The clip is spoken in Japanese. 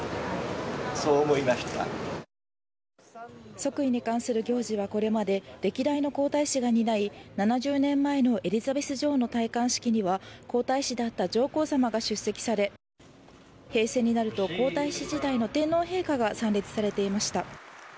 即位に関する行事はこれまで歴代の皇太子がにない７０年前のエリザベス女王の戴冠式には皇太子だった上皇さまが出席され平成になると皇太子時代の天皇陛下が参列されていました。